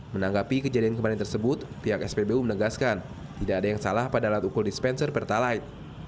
menanggapi kejadian kemarin tersebut pihak spbu menegaskan tidak ada yang salah pada alat ukul dispenser pertalite